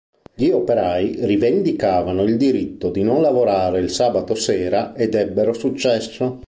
Gli operai rivendicavano il diritto di non lavorare il sabato sera ed ebbero successo.